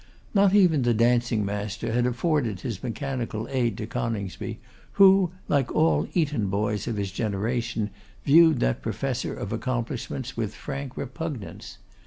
Not even the dancing master had afforded his mechanical aid to Coningsby, who, like all Eton boys of his generation, viewed that professor of accomplishments with frank repugnance.